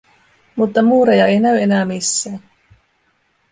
Mutta muureja ei näy enää missään.